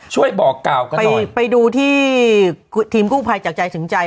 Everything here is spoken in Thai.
บอกกล่าวกันไปไปดูที่ทีมกู้ภัยจากใจถึงใจ